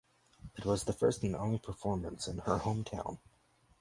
It was the first and only performance in her home town.